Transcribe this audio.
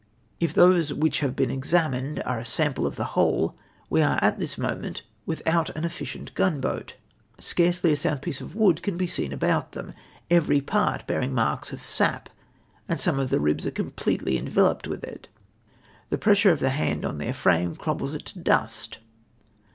If tliose which have been examined are a sample of the whole, Ave are at this moment without an efficient gunboat. Scarcely a sound piece of wood can be seen about them, every part bearing marks of ' sap,' and some of the ribs are completely enveloped Avith it ; the pressure of the hand on their frame crumbles it to dust.